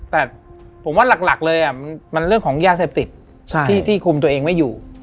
แต่ผมว่าหลักเลยมันเรื่องของยาเสพติดที่คุมตัวเองไม่อยู่